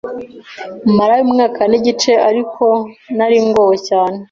marayo umwaka n’igice ariko nari ngowe cyane